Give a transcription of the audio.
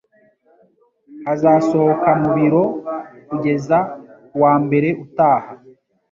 azasohoka mu biro kugeza kuwa mbere utaha.